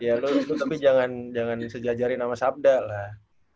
ya tapi jangan sejajarin sama sabda lah